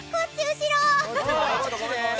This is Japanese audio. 後ろ！